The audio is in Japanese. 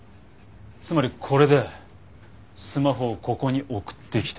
つまりこれでスマホをここに送ってきた。